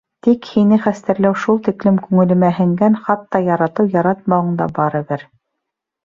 Тик һине хәстәрләү шул тиклем күңелемә һеңгән, хатта яратыу-яратмауың да барыбер.